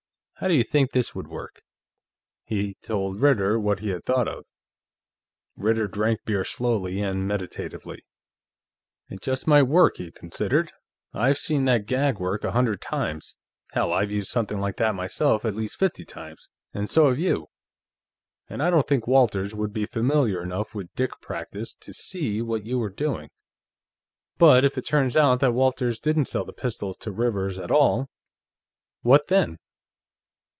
"How do you think this would work?" He told Ritter what he had thought of. Ritter drank beer slowly and meditatively. "It just might work," he considered. "I've seen that gag work a hundred times: hell, I've used something like that, myself, at least fifty times, and so have you. And I don't think Walters would be familiar enough with dick practice to see what you were doing. But if it turns out that Walters didn't sell the pistols to Rivers at all, what then?"